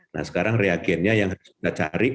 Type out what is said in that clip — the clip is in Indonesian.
nah sekarang reagennya yang harus kita cari